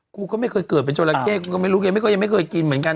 กูก็ไม่เคยเกิดเป็นจราเข้กูก็ไม่รู้แกก็ยังไม่เคยกินเหมือนกัน